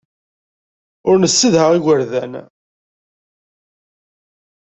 Ur nessedha igerdan.